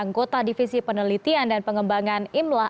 anggota divisi penelitian dan pengembangan imla